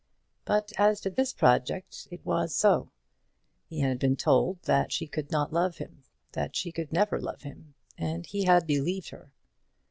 But as to this project it was so. He had been told that she could not love him that she could never love him; and he had believed her.